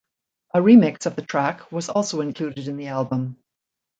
A remix of the track was also included in the album.